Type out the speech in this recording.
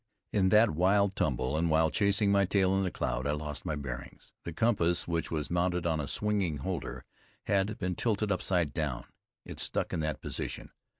In that wild tumble, and while chasing my tail in the cloud, I lost my bearings. The compass, which was mounted on a swinging holder, had been tilted upside down. It stuck in that position.